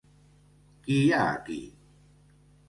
Qui hi ha aquí?